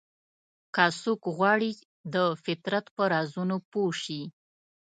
که څوک غواړي د فطرت په رازونو پوه شي.